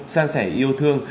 san sẻ yêu thương